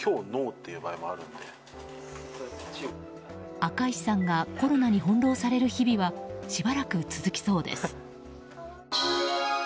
赤石さんがコロナに翻弄される日々はしばらく続きそうです。